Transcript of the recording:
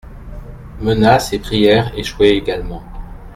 Menaces et prières échouaient également.